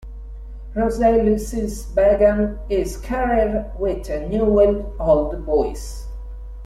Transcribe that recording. Rosales began his career with Newell's Old Boys.